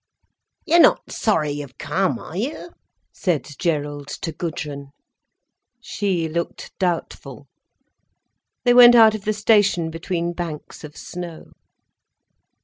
"You're not sorry you've come, are you?" said Gerald to Gudrun. She looked doubtful. They went out of the station between banks of snow.